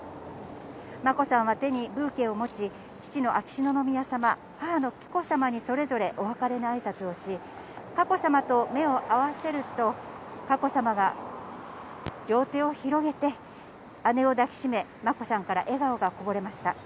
眞子さんは手にブーケを持ち、父の秋篠宮さま、母の紀子さまにそれぞれお別れの挨拶をし、佳子さまと目を合わせると佳子さまが両手を広げて姉を抱き締め、眞子さんから笑顔がこぼれました。